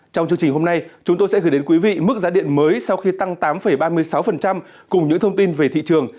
trong chương trình hôm nay chúng tôi sẽ gửi đến quý vị mức giá điện mới sau khi tăng tám ba mươi sáu cùng những thông tin về thị trường